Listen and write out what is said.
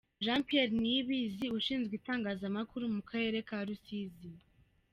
Jean Pierre Niyibizi Ushinzwe itangazamakuru mu Karere ka Rusizi.